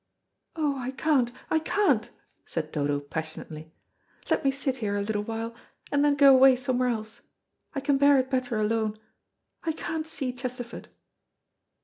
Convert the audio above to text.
"Oh, I can't, I can't," said Dodo passionately; "let me sit here a little while, and then go away somewhere else. I can bear it better alone. I can't see Chesterford."